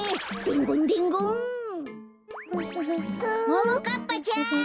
ももかっぱちゃん！